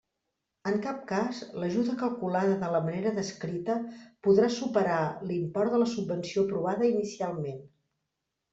En cap cas, l'ajuda calculada de la manera descrita podrà superar l'import de la subvenció aprovada inicialment.